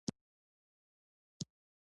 تنوع د افغانستان د پوهنې نصاب کې شامل دي.